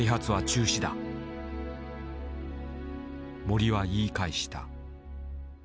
森は言い返した。